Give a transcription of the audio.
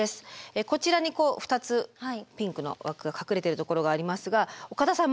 こちらにこう２つピンクの枠が隠れてるところがありますが岡田さん